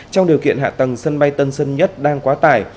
trong điều kiện hạ tầng sân bay tân sơn nhất đang quá tải